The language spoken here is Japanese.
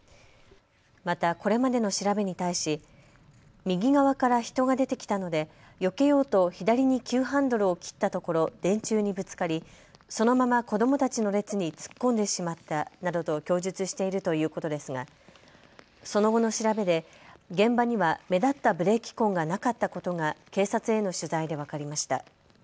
また、これまでの調べに対し右側から人が出てきたのでよけようと左に急ハンドルを切ったところ電柱にぶつかり、そのまま子どもたちの列に突っ込んでしまったなどと供述しているということですが、その後の調べで現場には目立ったブレーキ痕がなかったことが警察への取材で分かりました。